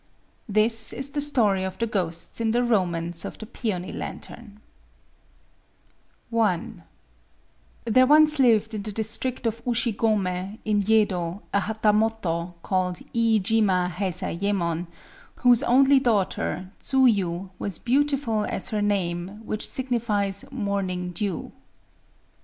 —This is the story of the Ghosts in the Romance of the Peony Lantern:— I There once lived in the district of Ushigomé, in Yedo, a hatamoto called Iijima Heizayémon, whose only daughter, Tsuyu, was beautiful as her name, which signifies "Morning Dew."